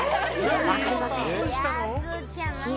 わかりません